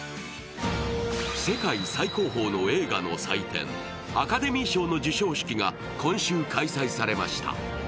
世界最高峰の映画の祭典アカデミー賞の授賞式が今週開催されました。